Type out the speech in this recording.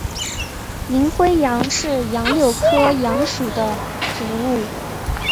银灰杨是杨柳科杨属的植物。